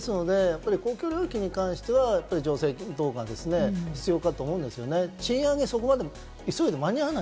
ですので、公共料金に関しては助成等ですね、必要かと思うんですよね。